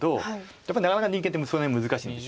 やっぱりなかなか人間ってその辺難しいんですよね。